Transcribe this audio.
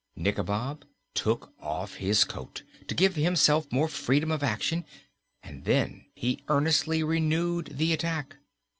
Nikobob took off his coat, to give himself more freedom of action, and then he earnestly renewed the attack.